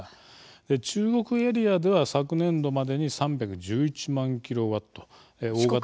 中国エリアでは昨年度までに３１１万キロワット。